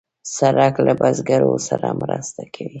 سړک له بزګرو سره مرسته کوي.